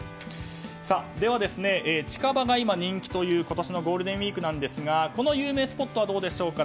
では、近場が今人気という今年のゴールデンウィークなんですがこの有名スポットはどうでしょうか。